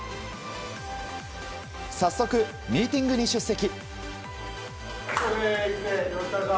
早速、ミーティングに出席。